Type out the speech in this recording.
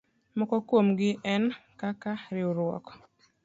Moko kuomgi en kaka:riwruok